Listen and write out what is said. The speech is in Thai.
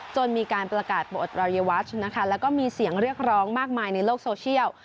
จนมีการประกาศโบอตวรรยวัชและมีเสียงเรียกร้องมากมายในโลกโซเชียล